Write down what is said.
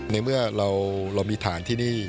ในเมื่อเรามีฐานที่นี่